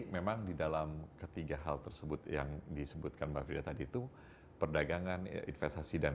memang di dalam ketiga hal tersebut yang disebutkan mbak frida tadi itu perdagangan investasi dan